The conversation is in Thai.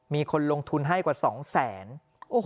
มีคนลงทุนให้กว่า๒๐๐๐๐๐บาท